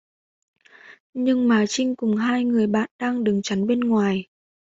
Nhưng mà Trinh cùng hai người bạn đang đứng chắn bên ngoài